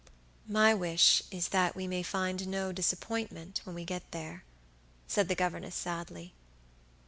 "My wish is that we may find no disappointment when we get there," said the governess, sadly.